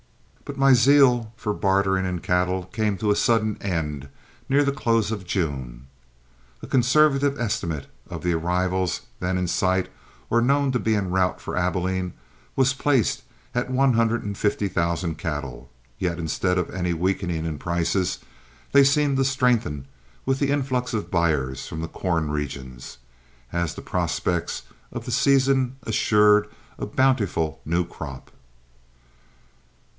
But my zeal for bartering in cattle came to a sudden end near the close of June. A conservative estimate of the arrivals then in sight or known to be en route for Abilene was placed at one hundred and fifty thousand cattle. Yet instead of any weakening in prices, they seemed to strengthen with the influx of buyers from the corn regions, as the prospects of the season assured a bountiful new crop.